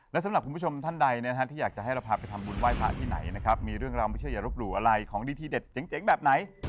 แล้วสำหรับคุณผู้ชมท่านใดนะฮะที่อยากจะให้เราก็เอาก็ทำบุญไหว้พาที่ไหนมีเรื่องเรารับมรึเชื่อยะรบหรูอะไรของดีที่เด็ดเจ๋งแบบไหน